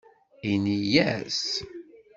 Ini-as.